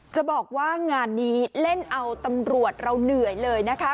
จะบอกว่างานนี้เล่นเอาตำรวจเราเหนื่อยเลยนะคะ